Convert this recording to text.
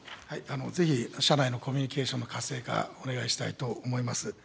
ぜひ社内のコミュニケーションの活性化、お願いしたいと思います。